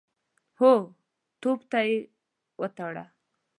هو، توپ ته يې وتاړه.